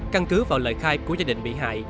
căn cứ vào lời khai của gia đình bị hại